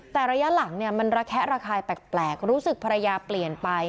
แต่ระยะหลังเนี่ยมันระแคะระคายแปลกรู้สึกภรรยาเปลี่ยนไป